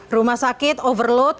rumah sakit overload